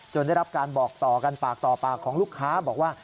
ได้รับการบอกต่อกันปากต่อปากของลูกค้าบอกว่า